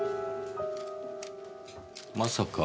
まさか。